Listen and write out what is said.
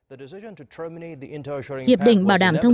hiệp định bảo đảm thông tin quân sự chung sắp hết hạn với nhật bản